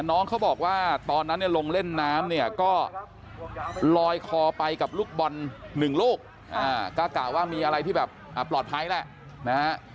น้องเขาบอกว่าตอนนั้นเนี่ยลงเล่นน้ำเนี่ยก็ลอยคอไปกับลูกบอลหนึ่งลูกก็กะว่ามีอะไรที่แบบปลอดภัยแหละนะฮะ